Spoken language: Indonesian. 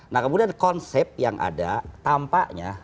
nah kemudian konsep yang ada tampaknya